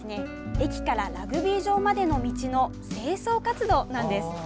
駅からラグビー場までの道の清掃活動なんです。